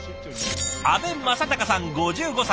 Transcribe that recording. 阿部昌隆さん５５歳。